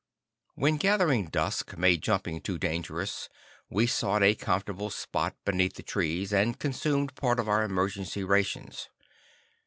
When gathering dusk made jumping too dangerous, we sought a comfortable spot beneath the trees, and consumed part of our emergency rations.